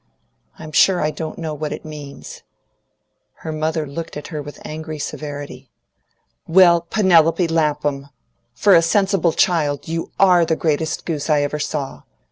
I'm sure I don't know what it means." Her mother looked at her with angry severity. "Well, Penelope Lapham! For a sensible child, you ARE the greatest goose I ever saw.